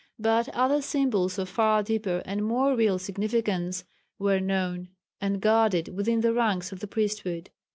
But other symbols of far deeper and more real significance were known and guarded within the ranks of the priesthood.